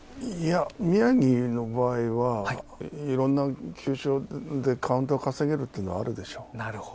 宮城の場合はいろんな球種でカウントを稼げるっていうのがあるでしょう。